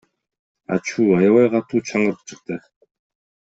Ачуу, аябай катуу чаңырык чыкты.